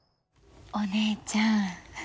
お姉ちゃん。